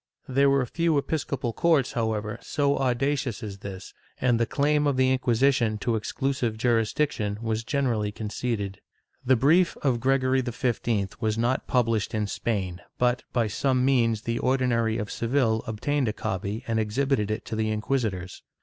^ There were few episcopal courts, however, so audacious as this, and the claim of the Inquisition to exclusive jurisdiction was generally conceded. The brief of Gregory XV was not published in Spain but, by some means, the Ordinary of Seville obtained a copy and exhibited it to the inquisitors.